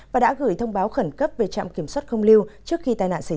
và đã gửi thông báo khẩn cấp về trạm kiểm soát không lưu trước khi tai nạn xảy ra